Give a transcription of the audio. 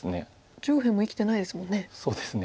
上辺も生きてないですもんね。